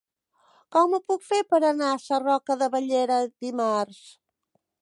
Com ho puc fer per anar a Sarroca de Bellera dimarts?